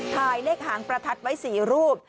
ถ่ายเลขหางประทัดไว้๔รูป